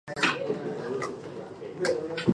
商业性的男妓院主要在素里翁路及它的横街。